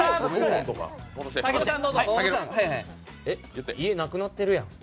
「えっ、家なくなってるやん」